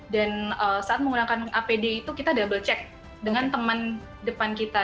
dan saat menggunakan apd itu kita double check dengan teman depan kita